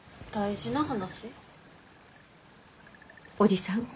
おじさん